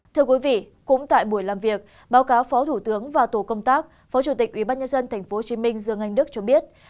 thưa quý vị cũng tại buổi làm việc báo cáo phó thủ tướng và tổ công tác phó chủ tịch ubnd tp hcm dương anh đức cho biết